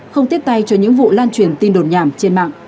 không tiếp tay cho những vụ lan truyền tin đồn nhảm trên mạng